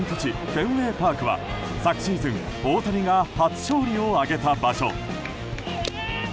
フェンウェイパークは昨シーズン大谷が初勝利を挙げた場所。